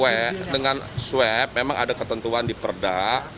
ya terkait dengan swep memang ada ketentuan di perda